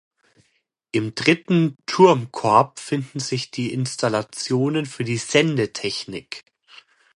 Im dritten Turmkorb finden sich die Installationen für die Sendetechnik.